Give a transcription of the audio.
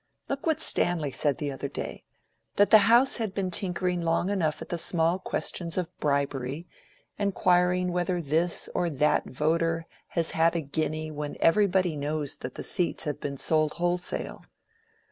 Look what Stanley said the other day—that the House had been tinkering long enough at small questions of bribery, inquiring whether this or that voter has had a guinea when everybody knows that the seats have been sold wholesale.